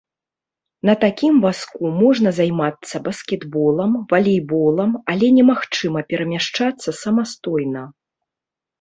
На такім вазку можна займацца баскетболам, валейболам, але немагчыма перамяшчацца самастойна.